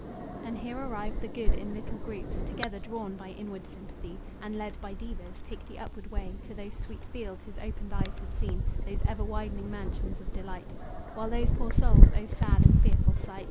And here arrived, the good, in little groups Together drawn by inward sympathy, And led by devas, take the upward way To those sweet fields his opened eyes had seen, Those ever widening mansions of delight; While those poor souls O sad and fearful sight!